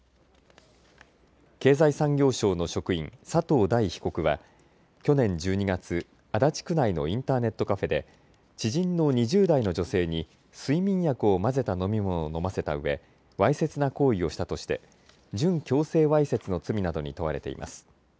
経済産業省の職員、佐藤大被告は去年１２月、足立区内のインターネットカフェで知人の２０代の女性に睡眠薬を混ぜた飲み物を飲ませたうえわいせつな行為をしたとして準強制わいせつの罪などに問われています。